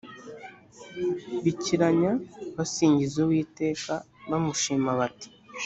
bikiranya basingiza uwiteka bamushima bati